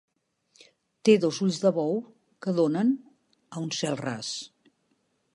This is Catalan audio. Té dos ulls de bou que donen a un cel ras.